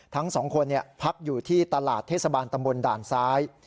ทั้งสองคนพักอยู่ที่ตลาดเทศบาลตำบลด่านซ้าย